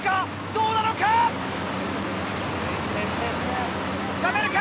どうなのか⁉つかめるか？